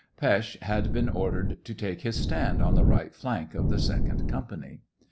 Pesth had been ordered to take his stand on the right flank of the second company.